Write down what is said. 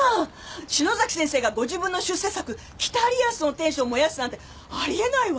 篠崎先生がご自分の出世作『北リアスの天使』を燃やすなんてあり得ないわ！